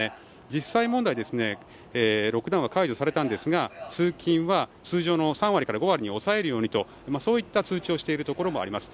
実際問題、ロックダウンは解除されたんですが通勤は通常の３割から５割に抑えるようにとそういった通知をしているところもあります。